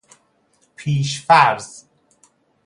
پیش فرض